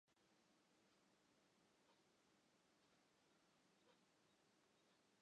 Tiel Cabrera iĝis la unua koncentrejo de la historio.